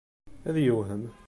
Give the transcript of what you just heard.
Ad yewhem.